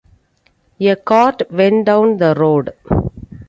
A cart went down the road.